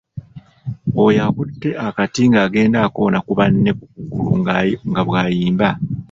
Oyo akutte akati agenda ng’akoona ku banne ku kugulu nga bw'ayimba.